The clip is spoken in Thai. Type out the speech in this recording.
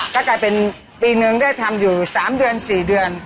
ก็กลายเป็นปีนึงได้ทำอยู่๓เดือน๔เดือน